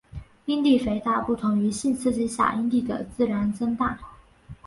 阴蒂肥大不同于性刺激下阴蒂的自然增大。